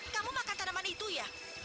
kamu makan tanaman itu ya